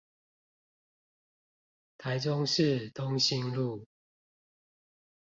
台中市東興路